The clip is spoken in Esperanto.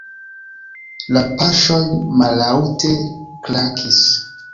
La paŝoj malaŭte klakis.